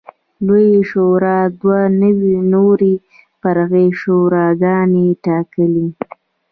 لویې شورا دوه نورې فرعي شوراګانې ټاکلې.